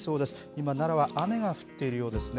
今、奈良は雨が降っているようですね。